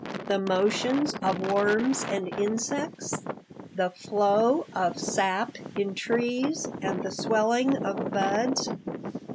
The motions of worms and insects? The flow of sap in trees and the swelling of buds?